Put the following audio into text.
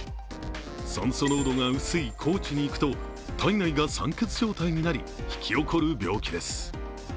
酸素濃度が薄い高地に行くと体内が酸欠状態になり、引き起こる病気です。